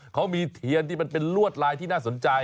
เขามีเทียนที่มันเป็นลวดลายที่น่าสนใจ